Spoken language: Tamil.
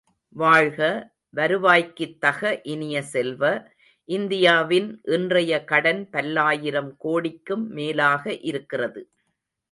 வாழ்க, வருவாய்க்குத் தக இனிய செல்வ, இந்தியாவின் இன்றைய கடன் பல்லாயிரம் கோடிக்கும் மேலாக இருக்கிறது.